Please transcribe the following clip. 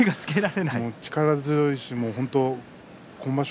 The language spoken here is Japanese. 力強いし本当に今場所